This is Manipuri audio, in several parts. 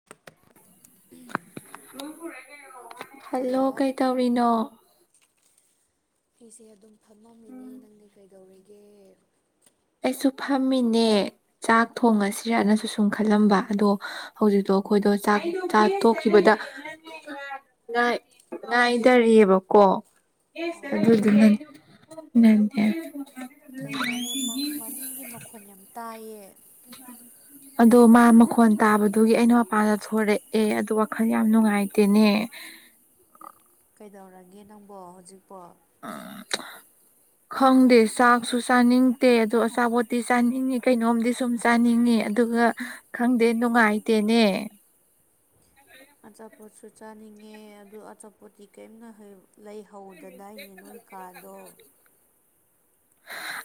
[unintelligible] ꯍꯜꯂꯣ ꯀꯩꯇꯧꯔꯤꯅꯣ ꯑꯩꯁꯦ ꯑꯗꯨꯝ ꯐꯝꯃꯝꯃꯤꯅꯦ ꯅꯪꯗꯤ ꯀꯩꯗꯧꯔꯤꯒꯦ ꯑꯩꯁꯨ ꯐꯝꯃꯤꯅꯦ ꯆꯥꯛ ꯊꯣꯡꯉꯁꯤꯔꯅꯁꯨ ꯁꯨꯝ ꯈꯜꯂꯝꯕ ꯑꯗꯣ ꯍꯧꯖꯤꯛꯇꯣ ꯑꯩꯈꯣꯏꯗꯣ ꯆꯥꯛ ꯆꯥ ꯇꯣꯛꯈꯤꯕꯗ [unintelligible] ꯅꯥꯏ ꯅꯥꯏꯗꯔꯤꯕꯀꯣ ꯑꯣ ꯑꯗꯨꯗꯨꯅ [unintelligible] ꯀꯩꯅꯣꯅꯦ ꯃ ꯃꯅꯤꯡꯒꯤ ꯃꯈꯣꯟ ꯌꯥꯝ ꯇꯥꯏꯌꯦ ꯑꯗꯣ ꯃꯥ ꯃꯈꯣꯟ ꯇꯥꯕꯗꯨꯒꯤ ꯑꯩꯅ ꯃꯄꯥꯟꯗ ꯊꯣꯔꯛꯑꯦ ꯑꯗꯣ ꯋꯥꯈꯜ ꯌꯥꯝ ꯅꯨꯡꯉꯥꯏꯇꯦꯅꯦ ꯀꯩꯗꯧꯔꯒꯦ ꯅꯪꯕꯣ ꯍꯧꯖꯤꯛꯄꯣ [unintelligible] [inaudible] ꯈꯪꯗꯦ ꯆꯥꯛꯁꯨ ꯆꯥꯅꯤꯡꯗꯦ ꯑꯗꯣ ꯑꯆꯥꯄꯣꯠꯇꯤ ꯆꯥꯅꯤꯡꯉꯤ ꯀꯩꯅꯣꯝꯗꯤ ꯁꯨꯝ ꯆꯥꯅꯤꯡꯏꯤ ꯑꯗꯨꯒ ꯈꯪꯗꯦ ꯅꯨꯡꯉꯥꯏꯇꯦꯅꯦ ꯑꯆꯥꯄꯣꯠꯁꯨ ꯆꯥꯅꯤꯡꯉꯦ ꯑꯗꯨ ꯑꯆꯥꯄꯣꯠꯇꯤ ꯀꯋꯤꯝꯅ ꯍꯌꯥꯎ ꯂꯩꯍꯧꯗꯗꯥꯏꯅꯦ ꯅꯣꯏ ꯀꯥꯗꯣ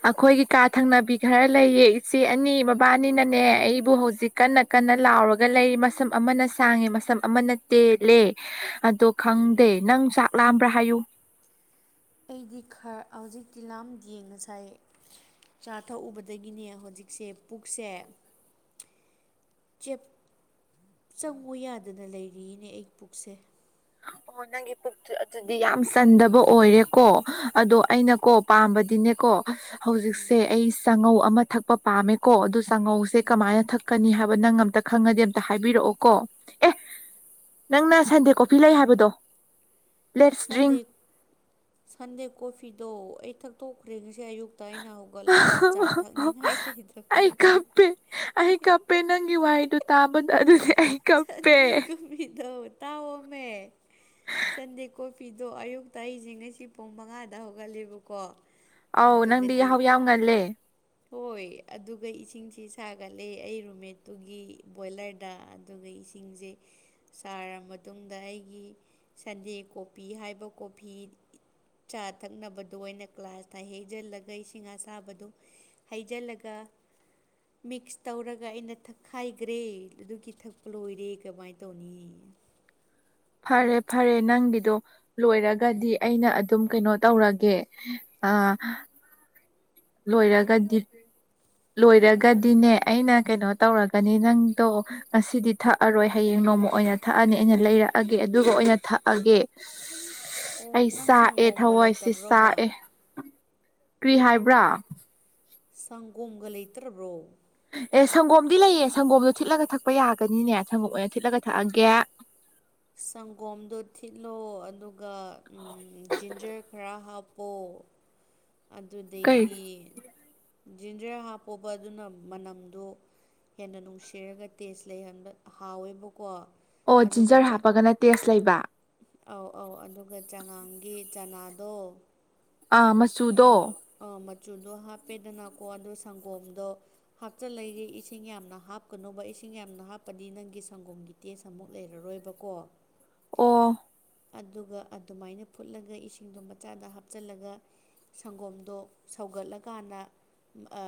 ꯑꯩꯈꯣꯏꯒꯤ ꯀꯥ ꯊꯪꯅꯕꯤ ꯈꯔ ꯂꯩꯌꯦ ꯏꯆꯦ ꯑꯅꯤ ꯃꯕꯥꯅꯤꯅꯅꯦ ꯑꯩꯕꯨ ꯍꯧꯖꯤꯛ ꯀꯟꯅ ꯀꯟꯅ ꯂꯥꯎꯔꯒ ꯂꯩꯔꯤ ꯃꯁꯝ ꯑꯃꯅ ꯁꯥꯡꯉꯦ ꯃꯁꯝ ꯑꯃꯅ ꯇꯦꯜꯂꯦ ꯑꯗꯣ ꯈꯪꯗꯦ ꯎꯝ ꯅꯪ ꯆꯥꯛ ꯂꯥꯑꯝꯕ꯭ꯔꯥ ꯍꯥꯏꯌꯨ ꯑꯩꯗꯤ ꯈꯔ ꯍꯧꯖꯤꯛꯇꯤ ꯂꯝ ꯌꯦꯡꯉ ꯁꯥꯏꯑ ꯆꯥ ꯊꯛꯎꯕꯗꯒꯤꯅꯦ ꯍꯧꯖꯤꯛꯁꯦ ꯄꯨꯛꯁꯦ ꯆꯦꯞ ꯆꯪꯉꯣ ꯌꯥꯗꯅ ꯂꯩꯔꯤꯅꯦ ꯑꯩ ꯄꯨꯛꯁꯦ ꯑꯦ ꯅꯪꯒꯤ ꯑꯗꯨꯗꯤ ꯌꯥꯝ ꯆꯟꯗꯕ ꯑꯣꯏꯔꯦꯀꯣ ꯑꯗꯣ ꯑꯩꯅꯀꯣ ꯄꯥꯝꯕꯗꯤꯅꯦꯀꯣ ꯍꯧꯖꯤꯛꯁꯦ ꯑꯩ ꯆꯉꯧ ꯑꯃ ꯊꯛꯄ ꯄꯥꯝꯃꯦꯀꯣ ꯑꯗꯨ ꯆꯉꯧꯁꯦ ꯀꯃꯥꯏꯅ ꯊꯛ ꯀꯅꯤ ꯍꯥꯏꯕ ꯅꯪ ꯑꯝꯇ ꯈꯪꯉꯗꯤ ꯑꯝꯇ ꯍꯥꯏꯕꯤꯔꯛꯑꯣ ꯀꯣ ꯑꯦ ꯅꯪꯅ ꯁꯟꯗꯦꯀꯣ ꯄꯤ ꯂꯩ ꯍꯥꯏꯕꯗꯣ ꯗ꯭ꯔꯤꯡ ꯁꯟꯗꯦ ꯁꯟꯗꯦ ꯀꯣꯐꯤꯗꯣ ꯑꯩ ꯊꯛꯇꯣꯛꯈ꯭ꯔꯦ ꯉꯁꯤ ꯑꯌꯨꯛ ꯇꯩꯅ ꯍꯧꯒꯠꯂꯒ ꯆꯥ ꯊꯛꯅꯤ ꯍꯥꯏꯁꯦ ꯀꯩꯗꯩꯔꯒꯦ ꯄꯦ ꯅꯪꯒꯤ ꯋꯥꯍꯩꯗꯣ ꯇꯥꯕꯗ ꯑꯗꯨꯗꯤ ꯑꯩ ꯀꯞꯄꯦ ꯑꯩ ꯇꯨꯝꯒꯤ ꯇꯧꯕꯅꯦ ꯇꯥꯋꫭꯃꯦ ꯁꯟꯗꯦ ꯀꫭ ꯀꯣꯐꯤꯗꯣ ꯑꯌꯨꯛꯇ ꯑꯩꯁꯦ ꯉꯁꯤ ꯄꯨꯡ ꯃꯉꯥꯗ ꯍꯧꯒꯠꯂꯦꯕꯀꯣ ꯑꯧ ꯅꯪꯗꯤ ꯑꯗꯨꯒꯗꯤ ꯌꯥꯍꯧ ꯌꯥꯝ ꯉꯜꯂꯦ ꯍꯣꯏ ꯑꯗꯨꯒ ꯏꯁꯤꯡꯁꯤ ꯁꯥꯒꯠꯂꯦ ꯑꯩ ꯔꯨꯝꯃꯦꯠꯇꯨꯒꯤ ꯕꯣꯏꯂꯔꯗ ꯑꯗꯨꯒ ꯏꯁꯤꯡꯁꯦ ꯁꯥꯔꯕ ꯃꯇꯨꯡꯗ ꯑꯩꯒꯤ ꯁꯟꯗꯦ ꯀꯣꯄꯤ ꯍꯥꯏꯕ ꯀꯣꯐꯤ ꯆꯥ ꯊꯛꯅꯕꯗꯣ ꯑꯩꯅ ꯀ꯭ꯂꯥꯁꯇ ꯍꯩꯖꯤꯜꯂꯒ ꯏꯁꯤꯡ ꯑꯁꯥꯕꯗꯣ ꯍꯩꯖꯤꯜꯂꯒ ꯃꯤꯛꯁ ꯇꯧꯔꯒ ꯑꯩꯅ ꯊꯛꯈꯥꯏꯈ꯭ꯔꯦ ꯑꯗꯨꯒꯤ ꯊꯛꯄ ꯂꯣꯏꯔꯦ ꯀꯃꯥꯏꯅ ꯇꯧꯅꯤ ꯐꯔꯦ ꯐꯔꯦ ꯅꯪꯒꯤꯗꯣ ꯂꯣꯏꯔꯒꯗꯤ ꯑꯩꯅ ꯑꯗꯨꯝ ꯀꯩꯅꯣ ꯇꯧꯔꯒꯦ ꯑ ꯂꯣꯏꯔꯒꯗꯤ ꯂꯣꯏꯔꯒꯗꯤꯅꯦ ꯑꯩꯅ ꯀꯩꯅꯣ ꯇꯧꯔꯛꯀꯅꯤ ꯅꯪꯗꯣ ꯉꯁꯤꯗꯤ ꯊꯛꯑꯔꯣꯏ ꯍꯌꯦꯡ ꯅꯣꯡꯃ ꯑꯣꯏꯅ ꯊꯛꯑꯅꯤ ꯑꯩꯅ ꯂꯩꯔꯛꯑꯒꯦ ꯑꯗꯨꯒ ꯑꯣꯏꯅ ꯊꯛꯑꯒꯦ ꯑꯣ ꯑꯩ ꯅꯪ ꯆꯥꯛꯑꯦ ꯁꯪꯒꯣꯝꯒ ꯊꯋꯥꯏꯁꯤ ꯂꯩꯇꯕ꯭ꯔꯣꯕ ꯆꯥꯛꯑꯦ ꯀꯔꯤ ꯍꯥꯏꯕ꯭ꯔ ꯁꯪꯒꯣꯝꯒ ꯂꯩꯇ꯭ꯔꯕ꯭ꯔꯣ ꯑꯦ ꯁꯪꯒꯣꯝꯗꯤ ꯂꯩꯌꯦ ꯁꯪꯒꯣꯝꯗꯣ ꯊꯤꯠꯂꯒ ꯊꯛꯄ ꯌꯥꯒꯅꯤꯅꯦ ꯁꯪꯒꯣꯝ ꯑꯣꯏꯅ ꯊꯤꯠꯂꯒ ꯊꯛꯑꯒꯦ ꯁꯪꯒꯣꯝꯗꯣ ꯊꯤꯠꯂꯣ ꯑꯗꯨꯒ ꯖꯤꯟꯖꯔ ꯈꯔ ꯍꯥꯞꯄꯣ ꯀꯩ ꯑꯗꯨꯗꯩꯗꯤ ꯖꯤꯟꯖꯔ ꯍꯥꯞꯄꯣꯕ ꯑꯗꯨꯅ ꯃꯅꯝꯗꯣ ꯍꯦꯟꯅ ꯅꯨꯡꯁꯤꯔꯒ ꯇꯦꯖ ꯂꯩꯍꯟꯕ ꯍꯥꯎꯋꯦꯕꯀꯣ ꯑꯣ ꯑꯗꯨꯒ ꯖꯤꯟꯖꯔ ꯍꯥꯞꯄꯒꯅ ꯇꯦꯁ ꯂꯩꯕ ꯑꯧ ꯑꯧ ꯑꯗꯨꯒ ꯆꯉꯥꯡꯒꯤ ꯆꯅꯥꯗꯣ ꯑ ꯃꯌꯨ ꯑꯗꯨ ꯑ ꯃꯆꯨꯗꯣ ꯍꯥꯞꯄꯦꯗꯅꯀꯣ ꯑꯗꯨ ꯁꯪꯒꯣꯝꯗꯣ ꯍꯥꯞꯆꯂꯔꯤꯦ ꯏꯁꯤꯡ ꯌꯥꯝꯅ ꯍꯥꯞꯀꯅꯣꯕ ꯏꯁꯤꯡ ꯌꯥꯝꯅ ꯍꯥꯞꯄꯗꯤ ꯅꯪꯒꯤ ꯁꯪꯒꯣꯝꯒꯤ ꯇꯦꯁ ꯑꯃꯨꯛ ꯂꯩꯔꯔꯣꯏꯕꯀꯣ ꯑꯣ ꯑꯗꯨꯒ ꯑꯗꯨꯃꯥꯏꯅ ꯐꯨꯠꯂꯒ ꯏꯁꯤꯡꯗꯣ ꯃꯆꯥꯗ ꯍꯥꯞꯆꯜꯂꯒ ꯁꯪꯒꯣꯝꯗꯣ ꯁꯧꯒꯠꯂꯀꯥꯟꯗ ꯑ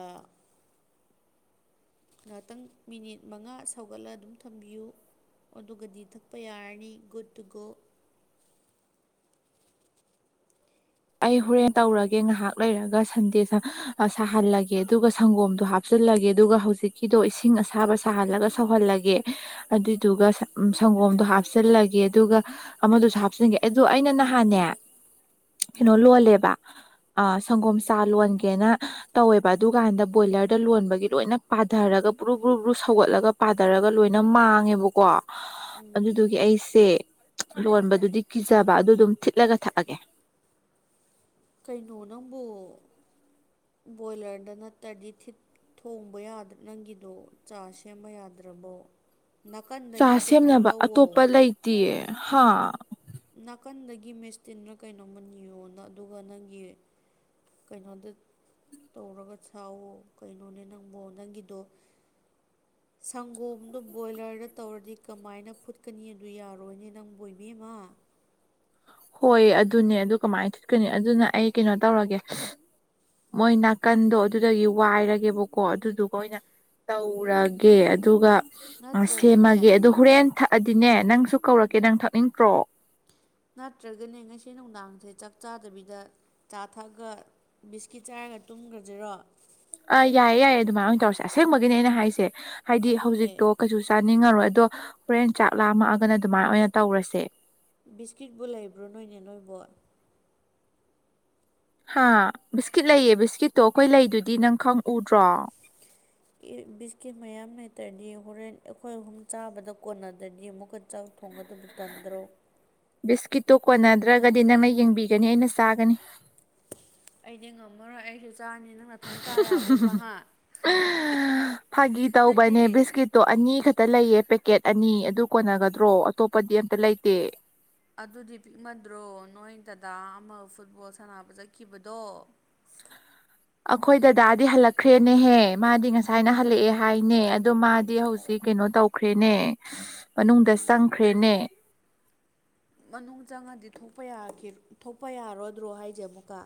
ꯉꯥꯇꯪ ꯃꯤꯅꯤꯠ ꯃꯉꯥ ꯁꯧꯒꯠꯂ ꯑꯗꯨꯝ ꯊꯝꯕꯤꯌꯨ ꯑꯗꯨꯒꯗꯤ ꯊꯛꯄ ꯌꯥꯔꯅꯤ ꯒꯨꯠꯇꯨꯒꯣ ꯑꯩ ꯍꯣꯔꯦꯟ ꯇꯥꯕ꯭ꯔꯣ ꯇꯧꯔꯒꯦ ꯉꯍꯥꯛ ꯂꯩꯔꯒ ꯁꯟꯗꯦ ꯁꯥ ꯁꯥꯍꯜꯂꯒꯦ ꯑꯗꯨꯒ ꯁꯪꯒꯣꯝꯗꯣ ꯍꯥꯞꯆꯜꯂꯒꯦ ꯑꯗꯨꯒ ꯍꯧꯖꯤꯛ ꯐꯤꯗꯣ ꯏꯁꯤꯡ ꯑꯁꯥꯕ ꯁꯥꯍꯜꯂꯒ ꯁꯧꯍꯜꯂꯒꯦ ꯑꯗꯨꯗꯨꯒ ꯁ ꯎꯝ ꯁꯪꯒꯣꯝꯗꯣ ꯍꯥꯞꯆꯤꯜꯂꯒꯦ ꯑꯗꯨꯒ ꯑꯃꯗꯨꯁꯨ ꯍꯥꯞꯆꯤꯟꯒꯦ ꯑꯗꯨ ꯑꯩꯅ ꯅꯍꯥꯟꯅꯦ ꯀꯩꯅꯣ ꯑꯥ ꯂꯣꯜꯂꯦꯕ ꯑ ꯁꯪꯒꯣꯝ ꯎꯝ ꯆꯥ ꯂꯣꯟꯒꯦꯅ ꯇꯧꯋꯦꯕ ꯑꯗꯨꯀꯥꯟꯗ ꯕꯣꯏꯂꯔꯗ ꯂꯣꯟꯕꯒꯤ ꯂꯣꯏꯅ ꯄꯥꯗꯔꯒ ꯕ꯭ꯔꯨ ꯕ꯭ꯔꯨ ꯕ꯭ꯔꯨ ꯁꯧꯒꯠꯂꯒ ꯄꯥꯗꯔꯒ ꯂꯣꯏꯅ ꯃꯥꯡꯉꯦꯕꯀꯣ ꯎꯝ ꯑꯗꯨꯗꯨꯒꯤ ꯑꯩꯁꯦ ꯂꯣꯟꯕꯗꯨꯗꯤ ꯀꯤꯖꯕ ꯑꯗꯨꯗꯨꯝ ꯊꯤꯠꯂꯒ ꯊꯛꯑꯒꯦ ꯀꯩꯅꯣ ꯅꯪꯕꯨ ꯕꯣꯏꯂꯔꯗ ꯅꯠꯇ꯭ꯔꯗꯤ ꯊꯤꯠ ꯊꯣꯡꯕ ꯌꯥꯗ ꯅꯪꯒꯤꯗꯣ ꯆꯥ ꯁꯦꯝꯕ ꯌꯥꯗ꯭ꯔꯕꯣ ꯅꯥꯀꯟꯗꯒꯤ ꯀꯩꯅꯣꯝ ꯂꯧꯋꯣ ꯇꯤꯌꯦ ꯍꯥꯥ ꯅꯥꯀꯟꯗꯒꯤ ꯃꯦꯁꯇꯤꯟꯗ ꯀꯩꯅꯣꯝꯃ ꯅꯤꯌꯣꯅ ꯑꯗꯨꯒ ꯅꯪꯒꯤ ꯀꯩꯅꯣꯗ ꯇꯧꯔꯒ ꯆꯥꯎꯋꯣ ꯀꯩꯅꯣꯅꯦ ꯅꯪꯕꯣ ꯅꯪꯒꯤꯗꯣ [inaudible] ꯁꯪꯒꯣꯝꯗꯣ ꯕꯣꯏꯂꯔꯗ ꯇꯧꯔꯗꯤ ꯀꯃꯥꯏꯅ ꯐꯨꯠꯀꯅꯤ ꯑꯗꯨ ꯌꯥꯔꯣꯏꯅꯦ ꯅꯪꯕꯨ ꯏꯕꯦꯝꯃ ꯍꯣꯏ ꯑꯗꯨꯅꯦ ꯑꯗꯨ ꯀꯃꯥꯏꯅ ꯊꯤꯠꯀꯅꯤ ꯑꯗꯨꯅ ꯑꯩ ꯀꯩꯅꯣ ꯇꯧꯔꯒꯦ ꯃꯣꯏ ꯅꯥꯀꯟꯗꯣ ꯑꯗꯨꯗꯒꯤ ꯋꯥꯏꯔꯒꯦꯕꯀꯣ ꯑꯗꯨꯗꯨꯒ ꯑꯣꯏꯅ ꯇꯧꯔꯒꯦ ꯑꯗꯨꯒ ꯑ ꯅꯠꯇ꯭ꯔꯒꯅꯦ ꯁꯦꯝꯃꯒꯦ ꯑꯗꯨ ꯍꯣꯔꯦꯟ ꯊꯛꯑꯗꯤꯅꯦ ꯅꯪꯁꯨ ꯀꯧꯔꯛꯀꯦ ꯅꯪ ꯊꯛꯅꯤꯡꯇ꯭ꯔꯣ ꯅꯠꯇ꯭ꯔꯒꯅꯦ ꯉꯁꯤ ꯅꯨꯡꯗꯥꯡꯖꯦ ꯆꯥꯛ ꯆꯥꯗꯕꯤꯗ ꯆꯥ ꯊꯛꯑꯒ ꯕꯤꯁꯀꯤꯠ ꯆꯥꯔꯒ ꯇꯨꯝꯒ꯭ꯔꯖꯤꯔꯣ ꯑꯥ ꯌꯥꯏꯌꯦ ꯌꯥꯏꯌꯦ ꯑꯗꯨꯃꯥꯏ ꯑꯣꯏꯅ ꯇꯧꯔꯁꯦ ꯑꯁꯦꯡꯕꯒꯤꯅꯦ ꯑꯩꯅ ꯍꯥꯏꯁꯦ ꯍꯥꯏꯗꯤ ꯑꯗꯨꯅꯦ ꯍꯧꯖꯤꯛꯇꯣ ꯀꯩꯁꯨ ꯆꯥꯅꯤꯡꯉꯔꯣꯏ ꯑꯗꯣ ꯍꯣꯔꯦꯟ ꯆꯥꯛ ꯂꯥꯝꯃꯛꯑꯒꯅ ꯑꯗꯨꯃꯥꯏ ꯑꯣꯏꯅ ꯇꯧꯔꯁꯦ ꯕꯤꯁꯀꯤꯠꯄꯨ ꯂꯩꯕ꯭ꯔꯣ ꯅꯣꯏꯅꯦ ꯅꯣꯏꯕꯣ ꯍꯥ ꯕꯤꯁꯀꯤꯠ ꯂꯩꯌꯦ ꯕꯤꯁꯀꯤꯠꯇꯣ ꯑꯩꯈꯣꯏ ꯂꯩꯗꯨꯗꯤ ꯅꯪ ꯈꯪ ꯎꯗ꯭ꯔꯣ [inaudible] ꯕꯤꯁꯀꯤꯠ ꯃꯌꯥꯝ ꯂꯩꯇ꯭ꯔꯗꯤ ꯍꯣꯔꯦꯟ ꯑꯩꯈꯣꯏ ꯑꯍꯨꯝ ꯆꯥꯕꯗ ꯀꯣꯟꯅꯗ꯭ꯔꯗꯤ ꯑꯃꯨꯛꯀ ꯆꯥꯛ ꯊꯣꯡꯒꯗꯕ ꯇꯟꯗ꯭ꯔꯣ ꯕꯤꯁꯀꯤꯠꯇꯣ ꯀꯣꯟꯅꯗ꯭ꯔꯒꯗꯤ ꯅꯪꯅ ꯌꯦꯡꯕꯤꯒꯅꯤ ꯑꯩꯅ ꯆꯥꯒꯅꯤ ꯑꯩꯗꯤ ꯉꯝꯃꯔꯣꯏ ꯑꯩꯁꯨ ꯆꯥꯅꯤꯅ ꯅꯊꯟ ꯆꯥ ꯌꯥꯕ꯭ꯔꯣꯕ ꯍꯥ ꯅꯠꯇꯦ ꯇꯣ ꯑꯅꯤ ꯈꯠꯇ ꯂꯩꯌꯦ ꯄꯦꯛꯀꯦꯠ ꯑꯅꯤ ꯑꯗꯨ ꯀꯣꯟꯅꯒꯗ꯭ꯔꯣ ꯑꯇꯣꯞꯄꯗꯤ ꯑꯝꯇ ꯂꯩꯇꯦ ꯑꯗꯨꯗꯤ ꯄꯤꯛꯃꯟꯗ꯭ꯔꯣ ꯅꯣꯏ ꯗꯗꯥ ꯑꯃ ꯐꯨꯠꯕꯣꯜ ꯁꯥꯟꯅꯕ ꯆꯠꯈꯤꯕꯗꯣ ꯑꯩꯈꯣꯏ ꯗꯗꯥꯗꯤ ꯍꯜꯂꯛꯈ꯭ꯔꯦꯅꯦꯍꯦ ꯃꯥꯗꯤ ꯉꯁꯥꯏꯅ ꯍꯜꯂꯛꯑꯦ ꯍꯥꯏꯅꯦ ꯑꯗꯣ ꯃꯥ ꯗꯤ ꯍꯧꯖꯤꯛ ꯀꯩꯅꯣ ꯇꯧꯈ꯭ꯔꯦꯅꯦ ꯃꯅꯨꯡꯗ ꯀꯔꯤꯅꯣ ꯆꯪꯈ꯭ꯔꯦꯅꯦ ꯃꯅꯨꯡ ꯆꯪꯉꯗꯤ ꯊꯣꯛꯄ ꯌꯥꯈꯤ ꯊꯣꯛꯄ ꯌꯥꯔꯣꯏꯗ꯭ꯔꯣ ꯍꯥꯏꯖꯦ ꯑꯃꯨꯛꯀ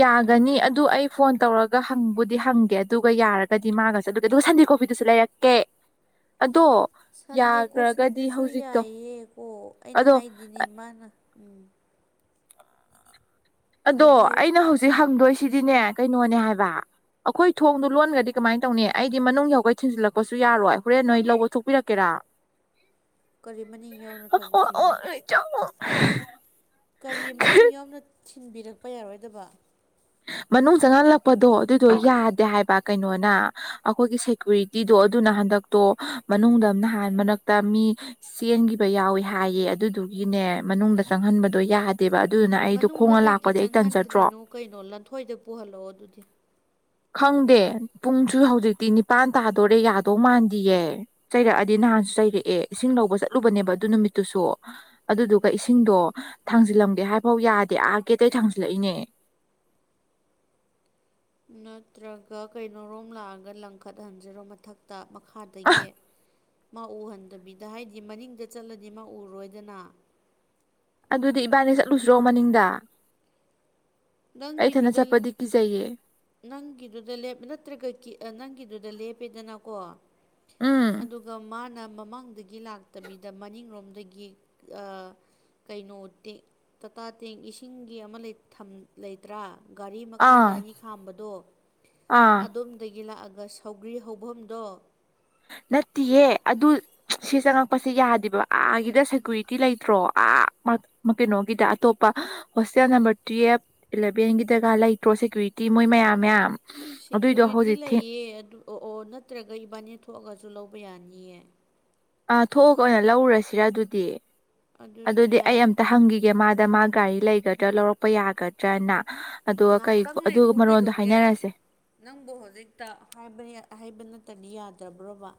ꯌꯥꯒꯅꯤ ꯑꯗꯨ ꯑꯩ ꯐꯣꯟ ꯇꯧꯔꯒ ꯍꯪꯕꯨꯗꯤ ꯍꯪꯒꯦ ꯑꯗꯨꯒ ꯌꯥꯔꯒꯗꯤ ꯃꯥꯒꯁꯨ ꯑꯗꯨꯒ ꯑꯗꯨꯒ ꯁꯟꯗꯦ ꯀꯣꯐꯤꯗꯨꯁꯨ ꯂꯩꯔꯛ [inaudible] ꯑꯗꯣ ꯁꯟꯗꯦ ꯌꯥꯈ꯭ꯔꯒꯗꯤ ꯀꯣꯐꯤꯗꯨꯁꯨ ꯍꯧꯖꯤꯛꯇꯣ ꯌꯥꯏꯌꯦꯀꯣ ꯑꯩꯅ ꯑꯗꯣ ꯍꯥꯏꯗꯤꯅꯦ ꯃꯥꯅ ꯎꯝ ꯑꯗꯣ ꯍꯥꯏꯕꯤꯌꯨ ꯑꯩꯅ ꯍꯧꯖꯤꯛ ꯍꯪꯗꯣꯏꯁꯤꯗꯤꯅꯦ ꯀꯩꯅꯣꯅꯦ ꯍꯥꯏꯕ ꯑꯩꯈꯣꯏ ꯊꯣꯡꯗꯨ ꯂꯣꯟꯒ꯭ꯔꯗꯤ ꯀꯃꯥꯏꯟ ꯇꯧꯅꯤ ꯑꯩꯗꯤ ꯃꯅꯨꯡ ꯌꯧꯒꯩ ꯊꯤꯟꯖꯤꯜꯂꯛꯄꯁꯨ ꯌꯥꯔꯣꯏ ꯍꯣꯔꯦꯟ ꯅꯣꯏ ꯂꯧꯕ ꯊꯣꯛꯄꯤꯔꯛꯀꯦꯔꯥ ꯀꯔꯤ ꯃꯅꯤꯡ ꯌꯧꯅ ꯊꯤꯟꯕꯤ [unintelligible] ꯀꯔꯤ ꯃꯅꯨꯡ ꯌꯥꯎꯅ ꯊꯤꯟꯕꯤꯔꯛꯄ ꯌꯥꯔꯣꯏꯗꯕ ꯃꯅꯨꯡ ꯆꯪꯍꯜꯂꯛꯄꯗꯣ ꯑꯗꯨꯗꯣ ꯌꯥꯗꯦ ꯍꯥꯏꯕ ꯀꯩꯅꯣꯅ ꯑꯩꯈꯣꯏꯒꯤ ꯁꯦꯀ꯭ꯌꯨꯔꯤꯇꯤꯗꯣ ꯑꯗꯨꯅ ꯍꯟꯗꯛ ꯇꯣ ꯃꯅꯨꯡꯗ ꯅꯍꯥꯟ ꯃꯔꯛꯇ ꯃꯤ ꯆꯦꯟꯈꯤꯕ ꯌꯥꯎꯋꯤ ꯍꯥꯏꯌꯦ ꯑꯗꯨꯗꯨꯒꯤꯅꯦ ꯃꯅꯨꯡꯗ ꯆꯪꯍꯟꯕꯗꯣ ꯌꯥ ꯕ ꯑꯗꯨꯅ ꯑꯩꯗꯣ ꯃꯅꯨꯡꯗ ꯈꯣꯡꯉ ꯀꯩꯒꯤ ꯂꯥꯛꯄꯗꯤ ꯑꯩ ꯇꯟꯖꯗ꯭ꯔꯣ ꯆꯪꯍꯟꯗ꯭ꯔꯤꯅꯣ ꯀꯩꯅꯣ ꯂꯟꯊꯣꯏꯗ ꯄꯨꯍꯜꯂꯛꯑꯣ ꯑꯗꯨꯗꯤ ꯑ ꯈꯪꯗꯦ ꯄꯨꯡꯖꯨ ꯍꯧꯖꯤꯛꯇꯤ ꯅꯤꯄꯥꯟ ꯇꯥꯗꯣꯔꯦ ꯌꯥꯗꯧ ꯃꯥꯟꯗꯤꯌꯦ꯫ ꯆꯩꯔꯛꯑꯗꯤ ꯅꯍꯥꯟꯁꯨ ꯆꯩꯔꯛꯑꯦ ꯏꯁꯤꯡ ꯂꯧꯕ ꯆꯠꯂꯨꯕꯅꯦꯕ ꯑꯗꯨ ꯅꯨꯃꯤꯠꯇꯨꯁꯨ ꯑꯗꯨꯗꯨꯒ ꯏꯁꯤꯡꯗꯣ ꯊꯥꯡꯖꯤꯜꯂꯝꯒꯦ ꯍꯥꯏꯐꯥꯎ ꯌꯥꯗꯦ ꯑꯥ ꯒꯦꯠꯇꯒꯤ ꯊꯥꯡꯖꯤꯜꯂꯛꯏꯅꯦ ꯅꯠꯇ꯭ꯔꯒ ꯀꯩꯅꯣꯔꯣꯝ ꯂꯥꯛꯑꯒ ꯂꯪꯈꯠꯍꯟꯁꯤꯔꯣ ꯃꯊꯛꯇ ꯑ ꯃꯈꯥꯗꯒꯤ ꯃꯥ ꯎꯍꯟꯗꯕꯤꯗ ꯍꯥꯏꯗꯤ ꯃꯅꯤꯡꯗ ꯆꯠꯂꯗꯤ ꯃꯥ ꯎꯔꯣꯏꯗꯅ ꯑꯗꯨꯗꯤ ꯏꯕꯥꯅꯦ ꯆꯠꯂꯨꯁꯤꯔꯣ ꯃꯅꯤꯡꯗ ꯑꯩ ꯏꯊꯟꯗ ꯅꯪꯒꯤꯗꯨꯗ ꯆꯠꯄꯗꯤ ꯀꯤꯖꯩꯌꯦ ꯅꯪꯒꯤꯗꯨꯗ ꯂꯦꯞ ꯅꯠꯇ꯭ꯔꯒ ꯅꯪꯒꯤꯗꯨꯗ ꯂꯦꯞꯄꯦꯗꯅꯀꯣ ꯎꯝ ꯑꯗꯨꯒ ꯃꯥꯅ ꯃꯃꯥꯡꯗꯒꯤ ꯂꯥꯛ ꯂꯥꯛꯂꯒꯥꯕꯤꯗ ꯃꯅꯤꯡꯂꯣꯝꯗꯒꯤ ꯑꯥ ꯀꯩꯅꯣ ꯇꯦꯡ ꯇꯇꯥ ꯇꯦꯡ ꯏꯁꯤꯡꯒꯤ ꯑꯃ ꯂꯩ ꯊꯝ ꯂꯩꯇ꯭ꯔꯥ ꯒꯥꯔꯤ ꯃꯈꯥꯗ ꯑꯥ ꯑꯅꯤ ꯈꯥꯝꯕꯗꯣ ꯑꯥ ꯑꯗꯣꯝꯗꯒꯤ ꯂꯥꯛꯑꯒ ꯊꯧꯒ꯭ꯔꯤ ꯍꯧꯕꯐꯝꯗꯣ ꯅꯠꯇꯦꯍꯦ ꯑꯗꯨ ꯁꯤ ꯆꯪꯉꯛꯄꯁꯤ ꯌꯥꯗꯦ ꯑꯥꯒꯤꯗ ꯁꯦꯀꯨꯔꯤꯇꯤ ꯂꯩꯇ꯭ꯔꯣ ꯑꯥ ꯀꯩꯅꯣꯒꯤꯗ ꯑꯇꯣꯞꯄ ꯍꯣꯁꯇꯦꯜ ꯅꯝꯕꯔ ꯇ꯭ꯔꯤꯌꯦꯐ ꯑꯦꯂꯚꯦꯟꯒꯤ ꯗꯔꯀꯥꯔ ꯂꯩꯇ꯭ꯔꯣ ꯁꯦꯀ꯭ꯌꯨꯔꯤꯇꯤ ꯃꯣꯏ ꯃꯌꯥꯝ ꯃꯌꯥꯝ ꯑꯗꯨꯏꯗꯣ ꯁꯦꯀ꯭ꯌꯨꯔꯤꯇꯤ ꯍꯧꯖꯤꯛ ꯂꯩꯌꯦ ꯑꯗꯨ ꯑꯣ-ꯑꯣ ꯅꯠꯇ꯭ꯔꯒ ꯏꯕꯥꯅꯤ ꯊꯣꯛꯑꯒꯁꯨ ꯂꯧꯕ ꯌꯥꯅꯤꯌꯦ ꯑꯥ ꯊꯣꯛꯑꯒ ꯑꯣꯏꯅ ꯂꯧꯔꯔꯁꯤꯔ ꯑꯗꯨꯗꯤ ꯑꯗꯨꯁꯨ ꯑꯗꯨꯗꯤ ꯑꯩ ꯌꯥꯏ ꯑꯝꯇ ꯍꯪꯈꯤꯒꯦ ꯃꯥꯗ ꯃꯥ ꯒꯥꯔꯤ ꯂꯩꯒꯗ꯭ꯔꯥ ꯂꯧꯔꯛꯄ ꯌꯥꯒꯗ꯭ꯔꯅ ꯑꯗꯨꯒ ꯀꯩ ꯉꯥꯛꯇꯪ ꯑꯗꯨꯒ ꯂꯩꯈꯣ ꯃꯔꯣꯟꯗꯣ ꯀꯩꯗꯧꯒꯦ ꯍꯥꯏꯅꯔꯁꯦ ꯅꯪꯕꯨ ꯍꯧꯖꯤꯛꯇꯕ ꯍꯥꯏꯩꯕ ꯅꯠꯇꯗꯤ ꯌꯥꯗ꯭ꯔꯕ꯭ꯔꯣꯕ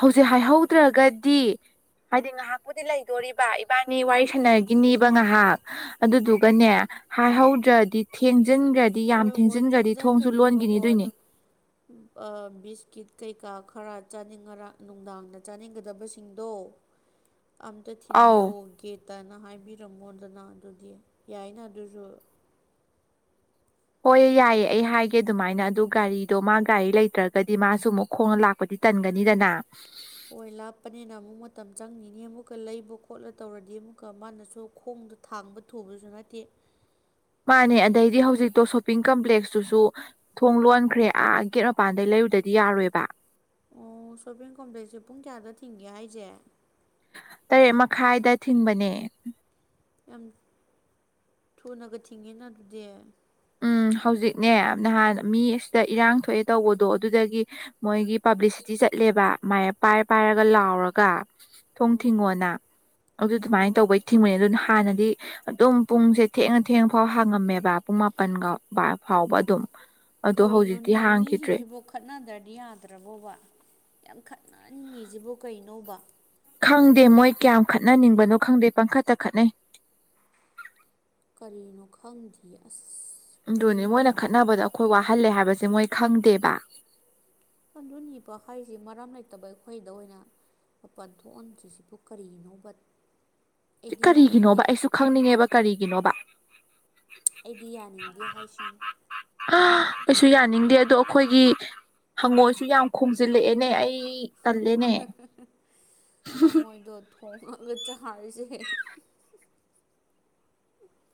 ꯍꯧꯖꯤꯛ ꯍꯥꯏꯍꯧꯗ꯭ꯔꯒꯗꯤ ꯍꯥꯏꯗꯤ ꯉꯥꯏꯍꯥꯛꯄꯨꯗꯤ ꯂꯩꯗꯣꯔꯤꯕ ꯏꯕꯥꯅꯤ ꯋꯥꯔꯤ ꯁꯥꯟꯅꯈꯤꯅꯦꯕ ꯉꯥꯏꯍꯥꯛ ꯑꯗꯨꯗꯨꯒꯅꯦ ꯍꯥꯏꯍꯧꯗ꯭ꯔꯗꯤ ꯊꯦꯡꯖꯤꯟꯈ꯭ꯔꯗꯤ ꯌꯥꯝ ꯍꯣꯏ ꯍꯣꯏ ꯊꯦꯡꯖꯤꯟꯈ꯭ꯔꯗꯤ ꯊꯣꯡꯁꯨ ꯊꯦꯡꯖꯟꯈ꯭ꯔꯅꯦꯕꯀꯣ ꯂꯣꯟꯈꯤꯅꯤꯗꯣꯏꯅꯦ ꯑꯗꯨ ꯕꯤꯁꯀꯤꯠ ꯀꯩꯀꯥ ꯈꯔ ꯆꯥꯅꯤꯡꯉ ꯅꯨꯡꯗꯥꯡꯗ ꯆꯥꯅꯤꯡꯒꯗꯕꯁꯤꯡꯗꯣ [unintelligible] ꯑꯝꯇ ꯑꯧ ꯊꯤꯟꯕꯤꯌꯣ ꯒꯦꯠꯇꯅ ꯍꯥꯏꯕꯤꯔꯝꯃꯣꯗꯅ ꯑꯗꯨꯗꯤ ꯌꯥꯏꯅ ꯑꯗꯨꯁꯨ ꯍꯣꯏꯑ ꯌꯥꯏꯌꯦ ꯑꯩ ꯍꯥꯏꯒꯦ ꯑꯗꯨꯃꯥꯏꯅ ꯑꯗꯨ ꯒꯥꯔꯤꯗꯣ ꯃꯥ ꯒꯥꯔꯤ ꯂꯩꯇ꯭ꯔꯒꯗꯤ ꯃꯥꯁꯨ ꯑꯃꯨꯛ ꯈꯣꯡꯅ ꯂꯥꯛ ꯄꯗꯤ ꯇꯟꯒꯅꯤꯗꯅ ꯍ ꯂꯥꯞꯄꯅꯤꯅ ꯑꯃꯨꯛ ꯃꯇꯝ ꯆꯪꯉꯤꯅꯤ ꯑꯃꯨꯛꯀ ꯂꯩꯕ ꯈꯣꯠꯂ ꯇꯧꯔꯗꯤ ꯑꯃꯨꯛꯀ ꯃꯥꯅꯁꯨ ꯈꯣꯡꯗ ꯊꯥꯡꯕ ꯊꯨꯕꯁꯨ ꯅꯠꯇꯦ ꯃꯥꯅꯦ ꯑꯗꯩꯗꯤ ꯍꯧꯖꯤꯛꯇꯣ ꯁꯣꯞꯄꯤꯡ ꯀꯝꯄ꯭ꯂꯦꯛꯁꯇꯨꯁꯨ ꯊꯣꯡ ꯂꯣꯟꯈ꯭ꯔꯦ ꯑꯥ ꯒꯦꯠ ꯃꯄꯥꯟꯗꯩ ꯂꯩꯔꯨꯗꯗꯤ ꯌꯥꯔꯣꯏꯕ꯫ ꯑꯣ ꯁꯣꯄꯤꯡ ꯀꯣꯝꯗꯩꯁꯦ ꯄꯨꯡ ꯀꯌꯥꯗ ꯊꯤꯡꯒꯦ ꯍꯥꯏꯁꯦ ꯇꯔꯦꯠ ꯃꯈꯥꯏꯗ ꯊꯤꯡꯕꯅꯦ ꯌꯥꯝ ꯊꯨꯅꯒ ꯊꯤꯡꯉꯤꯅ ꯑꯗꯨꯗꯤ ꯎꯝ ꯍꯧꯖꯤꯛꯅꯦ ꯅꯍꯥꯟ ꯃꯤ ꯑꯁꯤꯗ ꯏꯔꯥꯡ ꯊꯣꯛꯑꯦ ꯇꯧꯕꯗꯣ ꯑꯗꯨꯗꯒꯤ ꯃꯣꯏꯒꯤ ꯄꯥꯕ꯭ꯂꯤꯁꯤꯇꯤ ꯆꯠꯂꯦꯕ ꯃꯥꯌꯦꯞ ꯄꯥꯏꯔ ꯄꯥꯏꯔꯒ ꯂꯥꯎꯔꯒ ꯊꯣꯡ ꯑꯣ ꯊꯤꯡꯉꯣꯅ ꯑꯗꯨ ꯑꯗꯨꯃꯥꯏꯅ ꯑꯣ ꯇꯧꯕꯩ ꯊꯤꯡꯕꯅꯤ ꯑꯗꯨꯅ ꯍꯥꯟꯅꯗꯤ ꯑꯗꯨꯝ ꯄꯨꯡꯁꯦ ꯊꯦꯡꯅ ꯊꯦꯡꯉ ꯐꯥꯎ ꯍꯥꯡꯉꯝꯃꯦꯕ ꯄꯨꯡ ꯃꯥꯄꯜꯒ ꯐꯥꯎꯕ ꯑꯗꯨꯝ ꯑꯗꯣ ꯍꯧꯖꯤꯛꯇꯤ ꯀꯔꯤꯅꯣꯅꯦ ꯍꯥꯡꯈꯤꯗ꯭ꯔꯦ ꯃꯤꯁꯤꯡꯁꯤꯕꫭ ꯈꯠꯅꯗ꯭ꯔꯗꯤ ꯌꯥꯗ꯭ꯔꯕꯣꯕ ꯌꯥꯝ ꯈꯠꯅꯅꯤꯡꯉꯤꯁꯤꯕꯣ ꯀꯩꯅꯣꯕ ꯈꯪꯗꯦ ꯃꯣꯏ ꯀꯌꯥꯝ ꯈꯠꯅꯅꯤꯡꯕꯅꯣ ꯈꯪꯗꯦ ꯄꯪꯈꯠꯇ ꯈꯠꯅꯩ ꯀꯔꯤꯅꯣ ꯈꯪꯗꯦ ꯑꯁ ꯑꯗꯨꯅꯤ ꯃꯣꯏꯅ ꯈꯠꯅꯕꯗꯣ ꯑꯩꯈꯣꯏ ꯋꯥꯍꯜꯂꯦ ꯍꯥꯏꯕꯁꯦ ꯃꯣꯏ ꯈꯪꯗꯦꯕ ꯄꯟꯗꯨ ꯅꯤꯕ ꯍꯥꯏꯁꯦ ꯃꯔꯝ ꯂꯩꯇꯕ ꯑꯩꯈꯣꯏꯗ ꯑꯣꯏꯅ ꯃꯄꯥꯟ ꯊꯣꯛꯍꯟꯗ꯭ꯔꯤꯁꯤꯕꯨ ꯀꯔꯤꯅꯣꯕ ꯑꯩꯗꯤ ꯌꯥꯅꯤꯡꯗꯦ꯫ ꯀꯔꯤꯒꯤꯅꯣꯕ ꯑꯩꯁꯨ ꯈꯪꯅꯤꯡꯉꯦꯕ ꯀꯔꯤꯒꯤꯅꯣꯕ꯫ ꯑꯩꯗꯤ ꯌꯥꯅꯤꯡꯗꯦ ꯍꯥꯏꯁꯤꯅꯤ꯫ ꯑ ꯑꯩꯁꯨ ꯌꯥꯅꯤꯡꯗꯦ ꯑꯗꯣ ꯑꯩꯈꯣꯏꯒꯤ ꯍꯪꯉꯣꯏꯁꯨ ꯌꯥꯝ ꯈꯣꯡꯝꯖꯤꯜꯂꯛꯑꯦꯅꯦ ꯑꯩ ꯏꯛ ꯇꯂꯦꯅꯦ꯫ ꯍꯪꯉꯣꯏꯗꯣ ꯊꯣꯡꯉꯒ ꯆꯍꯔꯤꯁꯦ꯫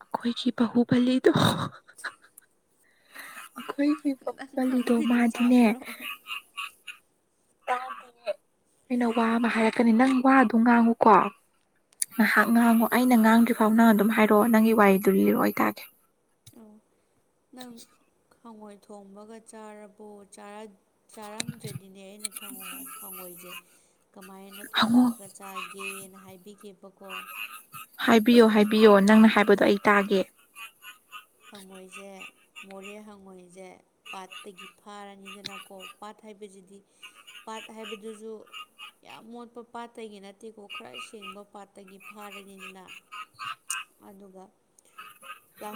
ꯑꯩꯈꯣꯏꯒꯤ ꯕꯍꯨꯕꯜꯂꯤꯗꯣ ꯑꯩꯈꯣꯏ ꯅꯪ ꯏꯕꯕꯜꯂꯤꯗꯣ ꯍꯪꯉꯣꯏꯗꯣ ꯃꯥꯗꯤꯅꯦ꯫ ꯆꯥꯕ꯭ꯔꯣ ꯋꯥ ꯑꯃ ꯍꯥꯏꯔꯛꯀꯅꯤ ꯅꯪ ꯋꯥꯗꯣ ꯉꯥꯡꯉꯨꯀꯣ ꯉꯥꯏꯍꯥꯛ ꯍꯥ ꯉꯥꯡꯉꯣ ꯑꯩꯅ ꯉꯥꯡꯗ꯭ꯔꯤ ꯐꯥꯎ ꯅꯪ ꯑꯗꯨꯝ ꯍꯥꯏꯔꯛꯑꯣ ꯅꯪꯒꯤ ꯋꯥꯔꯤꯗꯨ ꯂꯤꯔꯑꯣꯇꯥꯔꯒꯦ ꯑꯣ ꯅꯪ ꯍꯪꯉꯣꯏ ꯊꯣꯡꯕꯒ ꯆꯥꯔꯕꯣ ꯆꯥ ꯆꯥꯔꯝꯗ꯭ꯔꯗꯤꯅꯦ ꯑꯩꯅ ꯍꯪꯉꯣꯏꯁꯦ ꯀꯃꯥꯏꯅ ꯍꯪꯉꯣꯏ ꯊꯣꯡꯉꯒ ꯆꯥꯒꯦꯅ ꯍꯥꯏꯕꯤꯒꯦꯕꯀꯣ ꯍꯥꯏꯕꯤꯌꯣ ꯍꯥꯏꯕꯤꯌꯣ ꯅꯪꯅ ꯍꯥꯏꯕꯗꯣ ꯑꯩ ꯇꯥꯒꯦ ꯍꯉꯣꯏꯁꯦ ꯃꯣꯔꯦ ꯍꯪꯉꯣꯏꯁꯦ ꯄꯥꯠꯇꯒꯤ ꯐꯥꯔꯅꯤꯗꯅꯀꯣ ꯄꯥꯠ ꯍꯥꯏꯕꯁꯤꯗꯤ ꯄꯥꯠ ꯍꯥꯏꯕꯗꯨꯁꯨ ꯌꯥꯝ ꯃꯣꯠꯄ ꯄꯥꯠꯇꯒꯤ ꯅꯠꯇꯦꯀꯣ ꯈꯔ ꯁꯦꯡꯕ ꯄꯥꯠꯇꯒꯤ ꯐꯥꯔꯅꯤꯗꯅ ꯑꯗꯨꯒ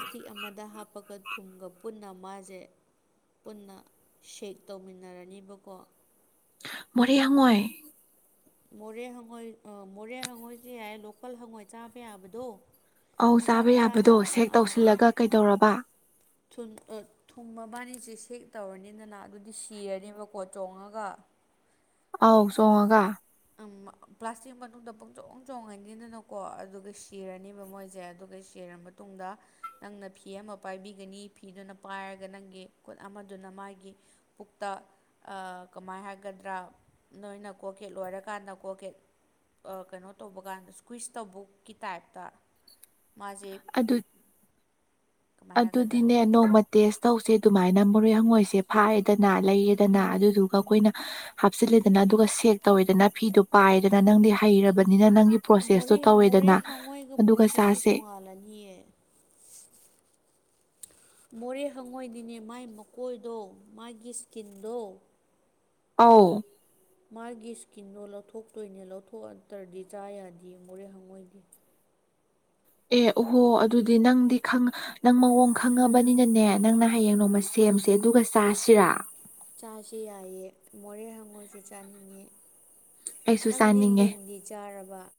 ꯄꯥꯊꯤ ꯑꯃꯗ ꯍꯥꯞꯄꯒ ꯊꯨꯝꯒ ꯄꯨꯟꯅ ꯃꯥꯁꯦ ꯄꯨꯟꯅ ꯁꯦꯛ ꯇꯧꯃꯤꯟꯅꯔꯅꯤꯕꯀꯣ ꯃꯣꯔꯦ ꯍꯉꯣꯏ ꯃꯣꯔꯦ ꯍꯪꯉꯣꯏ ꯃꯣꯔꯦ ꯍꯪꯉꯣꯏꯁꯦ ꯌꯥꯏ ꯂꯣꯀꯜ ꯍꯪꯉꯣꯏ ꯆꯥꯕ ꯌꯥꯕꯗꯣ ꯑꯧ ꯃꯆꯥ ꯆꯥꯕ ꯌꯥꯕꯗꯣ ꯃꯆꯥꯗ ꯁꯦꯛ ꯇꯧꯁꯤꯜꯂꯒ ꯀꯩꯗꯧꯔꯕ ꯊ ꯊꯨꯝ ꯃꯕꯥꯅꯤꯁꯦ ꯁꯦꯛ ꯇꯧꯔꯅꯤꯗꯅ ꯑꯗꯨꯗꯤ ꯁꯤꯔꯅꯦꯕꯀꯣ ꯆꯣꯡꯉꯒ ꯑꯥꯎ ꯆꯣꯡꯉꯒ ꯄ꯭ꯂꯥꯁꯇꯤꯛ ꯃꯅꯨꯡꯗ ꯄꯨꯡꯆꯣꯡ ꯆꯣꯡꯉꯅꯤꯗꯅꯀꯣ ꯑꯗꯨꯒ ꯁꯤꯔꯅꯤꯕ ꯃꯣꯏꯁꯦ ꯑꯗꯨꯒ ꯁꯤꯔꯝꯕ ꯇꯨꯡꯗ ꯅꯪꯅ ꯐꯤ ꯑꯃ ꯄꯥꯏꯕꯤꯒꯅꯤ ꯐꯤꯗꯨꯅ ꯄꯥꯏꯔꯒ ꯅꯪꯒꯤ ꯈꯨꯠ ꯑꯃꯗꯨꯅ ꯃꯥꯒꯤ ꯄꯨꯛꯇ ꯀꯃꯥꯏꯅ ꯍꯥꯏꯒꯗ꯭ꯔꯥ ꯅꯣꯏꯅ ꯀꯣꯠꯀꯦ ꯂꯣꯏꯔꯒ ꯀꯥꯟꯗꯀꯣꯒꯦ ꯀꯩꯅꯣ ꯇꯧꯕ ꯀꯥꯟꯗ ꯁ꯭ꯀ꯭ꯋꯤꯁ ꯇꯧꯕꯛꯀꯤ ꯇꯥꯏꯞꯇ ꯃꯥꯖꯦ ꯑꯗꯨ ꯑꯗꯨꯗꯤꯅꯦ ꯅꯣꯡꯃ ꯇꯦꯁ ꯇꯧꯁꯦ ꯑꯗꯨꯃꯥꯏꯅ ꯃꯣꯔꯦ ꯍꯪꯉꯣꯏꯁꯦ ꯐꯥꯏꯌꯦꯗꯅ ꯂꯩꯌꯦꯗꯅ ꯑꯗꯨꯗꯨꯒ ꯑꯩꯈꯣꯏꯅ ꯍꯥꯞꯆꯤꯜꯂꯦꯗꯅ ꯑꯗꯨꯒ ꯁꯦꯛ ꯇꯧꯋꯦꯗꯅ ꯐꯤꯗꯨ ꯄꯥꯏꯗꯅ ꯅꯪꯗꯤ ꯍꯩꯔꯕꯅꯤꯅ ꯅꯪꯒꯤ ꯄ꯭ꯔꯣꯁꯦꯁꯇꯣ ꯃꯣꯔꯦ ꯃꯣꯔꯦ ꯇꯧꯋꯦꯗꯅ ꯍꯪꯉꯣꯏꯒ ꯑꯗꯨꯒ ꯄ꯭ꯔꯣꯁꯦꯁꯁꯤ ꯆꯥꯁꯦ ꯇꯣꯡꯉꯥꯜꯂꯅꯤꯑ ꯃꯣꯔꯦ ꯍꯪꯉꯣꯏꯅꯤꯅꯦ ꯃꯥꯏ ꯃꯀꯣꯏꯗꯣ ꯃꯥꯒꯤ ꯏꯁꯀꯤꯟꯗꯣ ꯑꯥꯎ ꯃꯥꯒꯤ ꯏꯁꯀꯤꯟꯗꯣ ꯂꯧꯊꯣꯛꯇꯣꯏꯅꯦ ꯂꯧꯊꯣꯛꯑꯇ꯭ꯔꯗꯤ ꯆꯥ ꯌꯥꯗꯦ ꯃꯣꯔꯦ ꯍꯪꯉꯣꯏꯗꯦ ꯑꯦ ꯎꯍꯣ ꯑꯗꯨꯗꯤ ꯅꯪꯗꯤ ꯈꯪ ꯅꯪ ꯃꯑꯣꯡ ꯈꯪꯉꯕꯅꯤꯅꯅꯦ ꯅꯪꯅ ꯍꯌꯦꯡ ꯅꯣꯡꯃ ꯁꯦꯝꯁꯦ ꯑꯗꯨꯒ ꯆꯥꯁꯤꯔꯥ ꯆꯁꯤ ꯌꯥꯏꯌꯦ ꯃꯣꯔꯦ ꯍꯪꯉꯣꯏꯁꯨ ꯆꯥꯅꯤꯡꯉꯦ ꯑꯩꯁꯨ ꯆꯥꯅꯤꯡꯉꯦ ꯅꯪꯗꯤꯗꯤꯟꯗꯤ ꯆꯥꯔꯕ